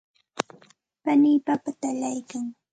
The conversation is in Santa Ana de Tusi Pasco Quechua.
panii papata allaykan.